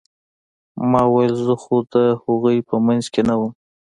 ما وويل زه خو د هغوى په منځ کښې نه وم.